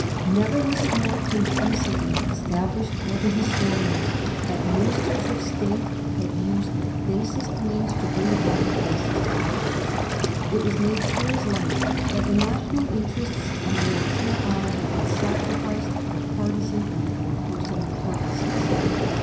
Never was it more conclusively estabUshed for the historian that Ministers of State had used the basest means to bring about the basest objects. It was made clear as light that the national interests and the national honour had been sacrificed for parti san and for personal purposes.